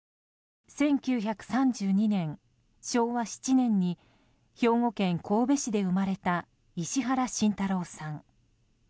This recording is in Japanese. １９３２年、昭和７年に兵庫県神戸市で生まれた石原慎太郎さん。